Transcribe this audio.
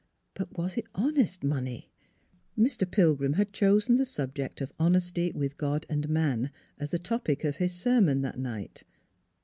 But was it honest money? Mr. Pilgrim had chosen the subject of Hon esty with God and Man, as the topic of his sermon that night.